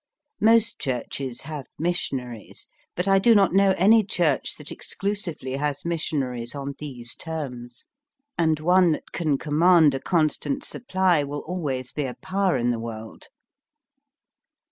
Most Churches have missionaries, but I do not know any Church that exclu sively has missionaries on these terms; and one that can command a constant supply will always be a power in the world.